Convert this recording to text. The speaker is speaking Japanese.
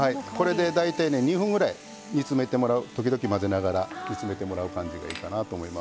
これで大体２分ぐらい煮詰めてもらう感じがいいかなと思います。